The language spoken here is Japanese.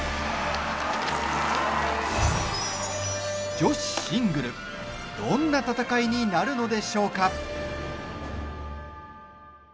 女子シングルどんな戦いになるのでしょうか。